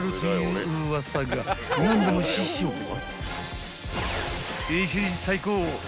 ［何でも師匠は］